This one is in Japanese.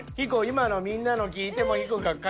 今のみんなの聞いてもうヒコが書いちゃえ。